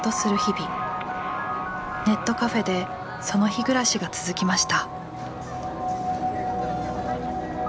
ネットカフェでその日暮らしが続きました。